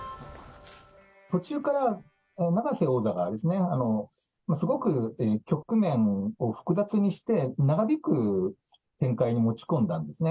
途中から永瀬王座が、すごく局面を複雑にして、長引く展開に持ち込んだんですね。